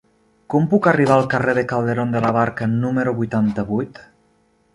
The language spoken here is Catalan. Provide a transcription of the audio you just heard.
Com puc arribar al carrer de Calderón de la Barca número vuitanta-vuit?